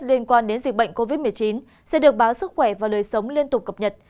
liên quan đến dịch bệnh covid một mươi chín sẽ được báo sức khỏe và đời sống liên tục cập nhật